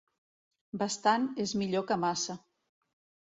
Bastant és millor que massa.